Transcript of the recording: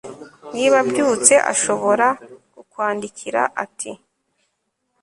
niba abyutse ashobora kukwandikira ati